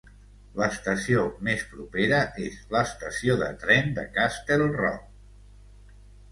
L'estació més propera és l'estació de tren de Castlerock.